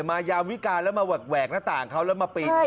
ยามวิการแล้วมาแหวกหน้าต่างเขาแล้วมาปีน